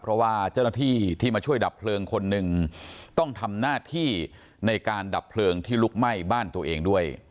เพราะว่าเจ้าหน้าที่ที่มาช่วยดับเพลิงคนหนึ่งต้องทำหน้าที่ในการดับเพลิงที่ลุกไหม้บ้านตัวเองด้วย